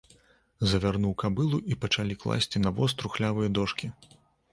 Завярнуў кабылу і пачалі класці на воз трухлявыя дошкі.